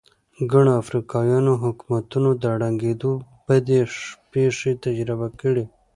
ګڼو افریقايي حکومتونو د ړنګېدو بدې پېښې تجربه کړې.